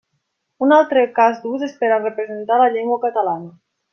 Un altre cas d'ús és per a representar la llengua catalana.